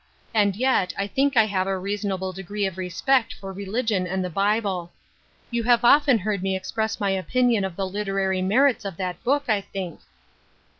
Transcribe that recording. And yet I think I have a reasonable de gree of respect for religion and the Bible. You have often heard me express my opinion of the literary merits of that book, I think."